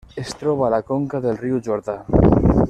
Es troba a la conca del riu Jordà.